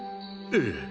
ええ。